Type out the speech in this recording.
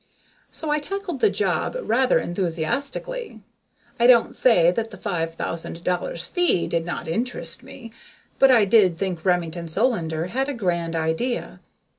So I tackled the job rather enthusiastically. I don't say that the five thousand dollar fee did not interest me, but I did think Remington Solander had a grand idea.